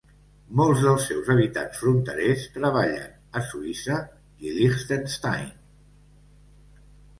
Molts dels seus habitants fronterers treballen a Suïssa i Liechtenstein.